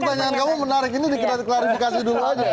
pertanyaan kamu menarik ini kita klarifikasi dulu aja